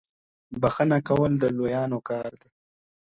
بخښنه کول د لويانو کار دی.